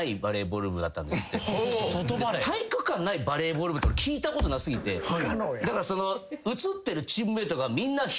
体育館ないバレーボール部って聞いたことなさすぎてだから写ってるチームメートが。